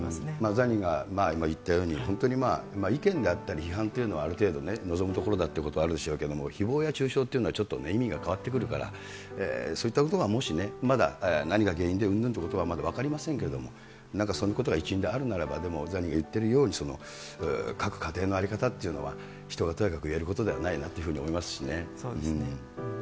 ザニーが今言ったように、本当に意見であったり批判というのはある程度、のぞむところだっていうところはあるでしょうけれども、ひぼうや中傷っていうのはちょっと、意味が変わってくるから、そういったことがもし、何が原因でうんぬんということはまだ分かりませんけれども、なんかそういうことが一因であるならば、でもザニーが言ってるように、各家庭の在り方というのは人がとやかく言えることではないなってそうですね。